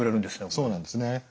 そうなんですね。